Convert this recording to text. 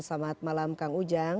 selamat malam kang ujang